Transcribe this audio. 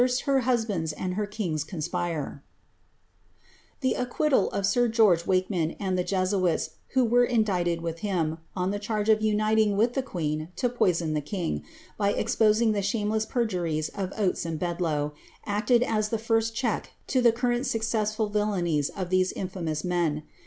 l iiiT hiisliani':* niul licr kin;;'s conspire/* The arquittid of sir George Wakeman and the Jesuits who were in dicted with him, on the chart^o of uniting with the queen to poison the king, by exposing the shanii h'ss perjuries of Gates and Bedloe, acted is the tirst check to the current of the successful villanies of these infarooos men.